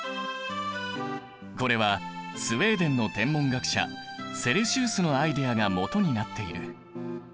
これはスウェーデンの天文学者セルシウスのアイデアがもとになっている。